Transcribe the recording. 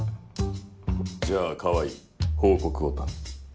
じゃあ川合報告を頼む。